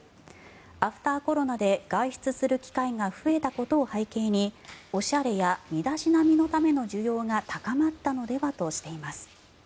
アフターコロナで外出する機会が増えたことを背景にオシャレや身だしなみのための需要が高まったのではとしています。